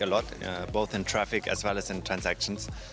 sama ada di trafik dan transaksi